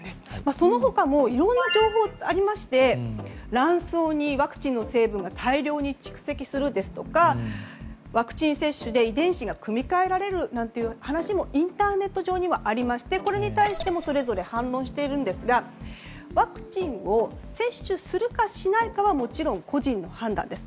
その他にもいろいろな情報がありまして卵巣にワクチンの成分が大量に蓄積するですとかワクチン接種で遺伝子が組み換えられるなんて話もインターネット上にはありましてこれに対してもそれぞれ反論していますがワクチンを接種するかしないかはもちろん、個人の判断です。